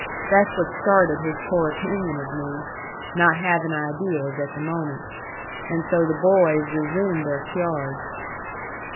That's what started his poor opinion of me, not havin' ideas at the moment. And so the boys resumed their cyards.